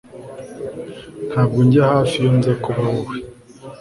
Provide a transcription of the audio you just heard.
Ntabwo njya hafi iyo nza kuba wowe